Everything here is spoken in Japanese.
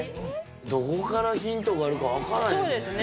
どこからヒントがあるか、そうですね。